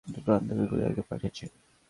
কিন্তু প্রশান্তকে কুরিয়ার কে পাঠিয়েছে?